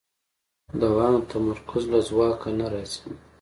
دوام د تمرکز له ځواک نه راځي.